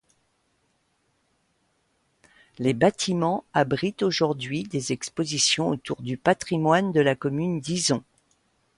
Les bâtiments abritent aujourd'hui des expositions autour du patrimoine de la commune d’Izon.